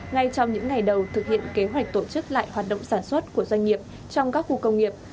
ngay trong những ngày đầu thực hiện kế hoạch tổ chức lại hoạt động sản xuất của doanh nghiệp trong các khu công nghiệp